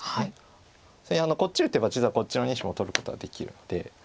それにこっち打てば実はこっちの２子も取ることができるので。